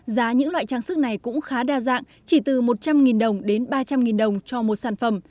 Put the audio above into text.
giá những loại trang sức này cũng khá đa dạng chỉ từ một trăm linh đồng đến ba trăm linh đồng cho một sản phẩm